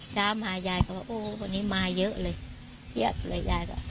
เช้ามายายก็ว่าโอ้วันนี้มาเยอะเลยเพียบเลยยายก็